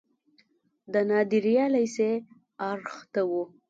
د نادریه لیسې اړخ ته و.